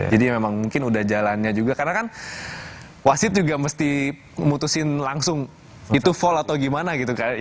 jadi memang mungkin udah jalannya juga karena kan wasid juga mesti memutusin langsung itu vol atau gimana gitu